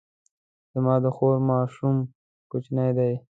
زما د خور ماشوم کوچنی دی